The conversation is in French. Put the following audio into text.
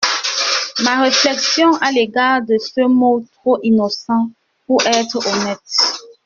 Ma réflexion à l'égard de ce mot trop innocent pour être honnête...